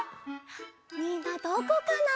みんなどこかな？